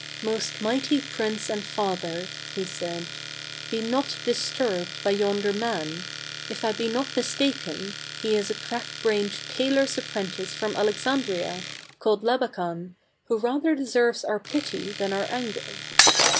" Most mighty prince and father," he said, " be not disturbed by yonder man. If I be not mistaken, he is a crack brained tailor's apprentice from Alexandria, called Labakan, who rather deserves our pity than our anger."